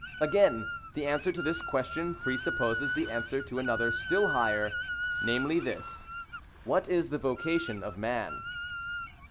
Again : the answer to this question presupposes the an swer to another still higher; namely this, —" What is the vocation of Man?"